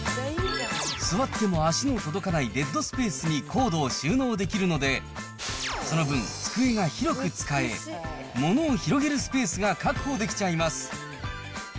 座っても足の届かないデッドスペースにコードを収納できるので、その分、机が広く使え、物を広げるスペースが確保できちゃいます。